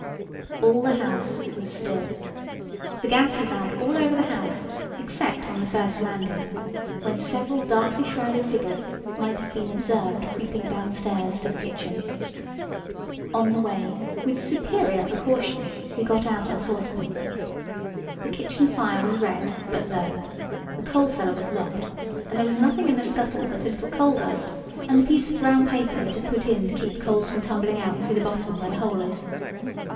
All the house was still. The gas was out all over the house except on the first landing, when several darkly shrouded figures might have been observed creeping downstairs to the kitchen. On the way, with superior precaution, we got out our saucepan. The kitchen fire was red, but low; the coal cellar was locked, and there was nothing in the scuttle but a little coal dust and the piece of brown paper that is put in to keep the coals from tumbling out through the bottom where the hole is.